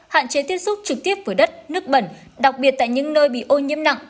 hạn chế tiếp xúc trực tiếp với đất nước bẩn đặc biệt tại những nơi bị ô nhiễm nặng